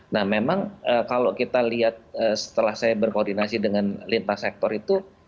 nah memang kalau kita lihat setelah saya berkoordinasi dengan lintas sektor itu